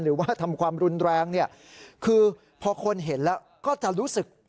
หรือว่าทำความรุนแรงเนี่ยคือพอคนเห็นแล้วก็จะรู้สึก